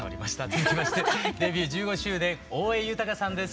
続きましてデビュー１５周年大江裕さんです。